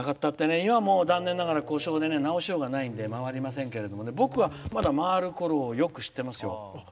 今は、残念ながら故障で直しようがないんで回りませんけれども僕はまだ回るころをよく知っていますよ。